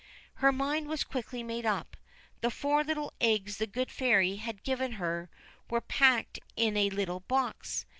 Her mind was quickly made up. The four little eggs the Good Fairy had given her were packed in a little box.